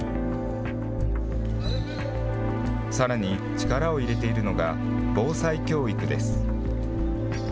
さらに、力を入れているのが防災教育です。